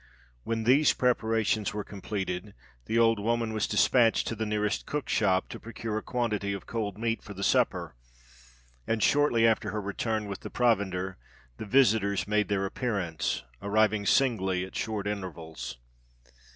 When these preparations were completed, the old woman was despatched to the nearest cook's shop to procure a quantity of cold meat for the supper; and shortly after her return with the provender, the visitors made their appearance—arriving singly, at short intervals.